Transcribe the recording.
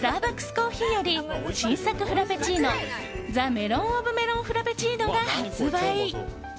コーヒーより新作フラペチーノＴｈｅメロンｏｆメロンフラペチーノが発売！